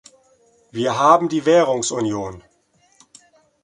Wir haben die Währungsunion.